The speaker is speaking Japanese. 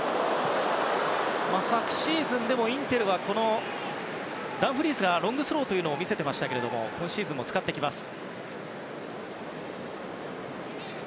昨シーズン、インテルはダンフリースがロングスローを見せていましたが今シーズンも使ってきます。